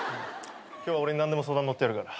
今日は俺何でも相談乗ってやるから。